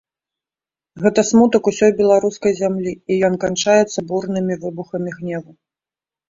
Гэта смутак усёй беларускай зямлі, і ён канчаецца бурнымі выбухамі гневу.